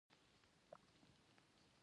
د پلار زړګی د اولاد لپاره تپېږي.